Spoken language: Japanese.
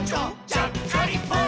ちゃっかりポン！」